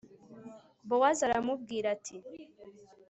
bowozi aramubwira ati